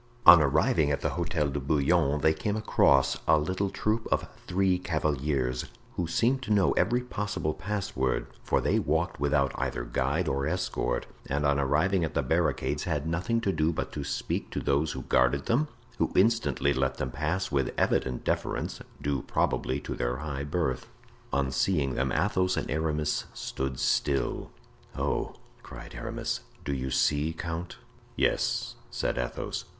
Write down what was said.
On arriving at the Hotel de Bouillon they came across a little troop of three cavaliers, who seemed to know every possible password; for they walked without either guide or escort, and on arriving at the barricades had nothing to do but to speak to those who guarded them, who instantly let them pass with evident deference, due probably to their high birth. On seeing them Athos and Aramis stood still. "Oh!" cried Aramis, "do you see, count?" "Yes," said Athos.